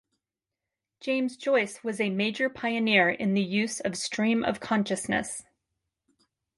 James Joyce was a major pioneer in the use of stream of consciousness.